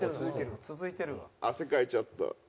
汗かいちゃった。